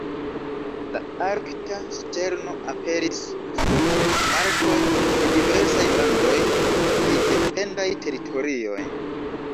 La Arkta ŝterno aperis sur poŝtmarkoj de diversaj landoj kaj dependaj teritorioj.